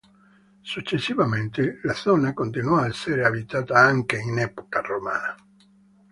Successivamente, la zona continuò a essere abitata anche in epoca romana.